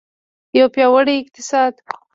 یو پیاوړی اقتصاد.